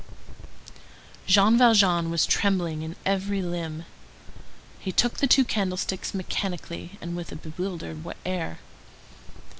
Jean Valjean was trembling in every limb. He took the two candlesticks mechanically, and with a bewildered air.